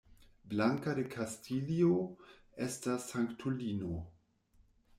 Blanka de Kastilio estas sanktulino.